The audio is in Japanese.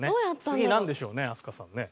次なんでしょうね飛鳥さんね。